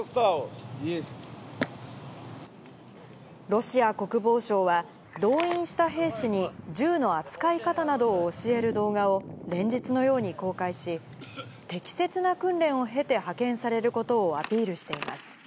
ロシア国防省は、動員した兵士に銃の扱い方などを教える動画を、連日のように公開し、適切な訓練を経て派遣されることをアピールしています。